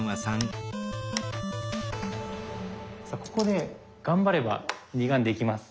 さあここで頑張れば二眼できます。